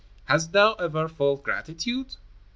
Hast thou ever felt gratitude?"